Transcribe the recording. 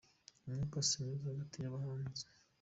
Umwuka si mwiza hagati yabahinzi